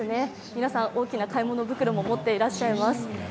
皆さん、大きな買い物袋も持っていらっしゃいます。